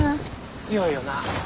強いよな。